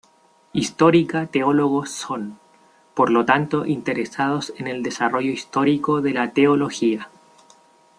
Histórica teólogos son, por lo tanto interesados en el desarrollo histórico de la teología.